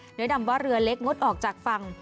โดยนำว่าเรือเล็กงดออกจากฝั่ง